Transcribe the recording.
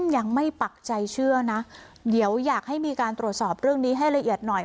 ยังไม่ปักใจเชื่อนะเดี๋ยวอยากให้มีการตรวจสอบเรื่องนี้ให้ละเอียดหน่อย